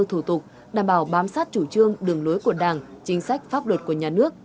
thủ tục đảm bảo bám sát chủ trương đường lối của đảng chính sách pháp luật của nhà nước